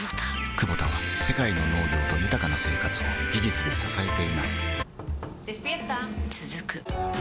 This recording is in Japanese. クボタは世界の農業と豊かな生活を技術で支えています起きて。